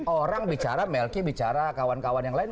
orang bicara melki bicara kawan kawan yang lain